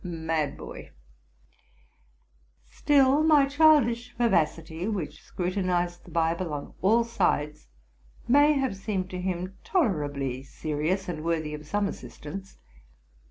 ah! mad boy !'' Still, my childish vivacity, which scrutinized the Bible on all sides, may have seemed to him tolerably serious and worthy of some assistance.